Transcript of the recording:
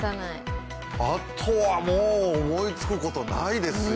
あとはもう、思いつくことないですよ。